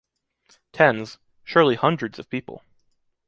Tens, surely hundreds of people.